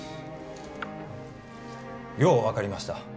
よう分かりました。